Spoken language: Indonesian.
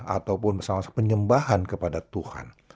ataupun bersama penyembahan kepada tuhan